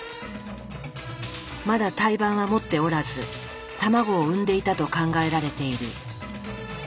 まだ胎盤は持っておらず卵を産んでいたと考えられている。